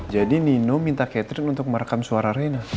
jadi nino minta ketik untuk merekam suara